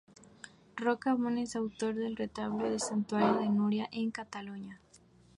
Roca Bon es autor del retablo del santuario de Nuria, en Cataluña.